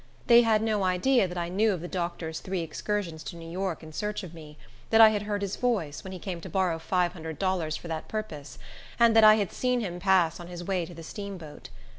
They had no idea that I knew of the doctor's three excursions to New York in search of me; that I had heard his voice, when he came to borrow five hundred dollars for that purpose; and that I had seen him pass on his way to the steamboat.